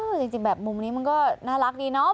จริงแบบมุมนี้มันก็น่ารักดีเนาะ